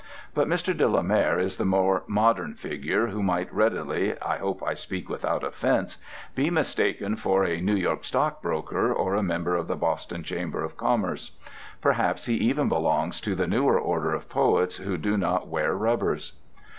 But Mr. de la Mare is the more modern figure who might readily (I hope I speak without offense) be mistaken for a New York stock broker, or a member of the Boston Chamber of Commerce. Perhaps he even belongs to the newer order of poets who do not wear rubbers.